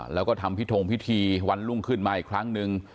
แล้วก็ทำพิธงพิธีวันรุ่งขึ้นมาอีกครั้งหนึ่ง